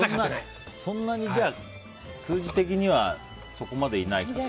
そんなに数字的にはそこまでいないかな。